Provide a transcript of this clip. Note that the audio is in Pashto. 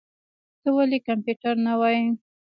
ته ولي کمپيوټر نه وايې؟